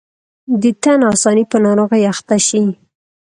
د تن آساني په ناروغۍ اخته شي.